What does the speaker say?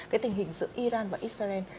cái tình hình giữa iran và israel